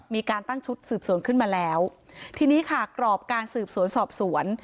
มีการตั้งชุดสืบสวนขึ้นมาแล้วทีนี้ค่ะกรอบการสืบสวนสอบสวน